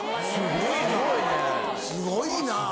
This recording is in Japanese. すごいな。